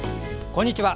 こんにちは。